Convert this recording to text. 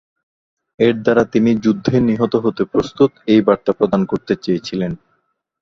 এর দ্বারা তিনি যুদ্ধে নিহত হতে প্রস্তুত এই বার্তা প্রদান করতে চেয়েছিলেন।